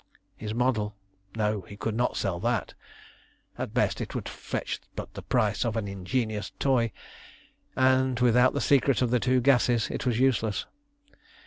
His model! No, he could not sell that. At best it would fetch but the price of an ingenious toy, and without the secret of the two gases it was useless.